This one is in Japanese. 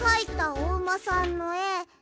「おうまさんのえ」